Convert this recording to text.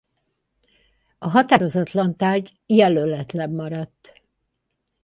A határozatlan tárgy jelöletlen maradt.